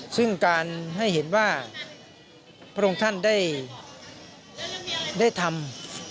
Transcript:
ซึ่งการให้เห็นว่าพระองค์ท่านได้ทำ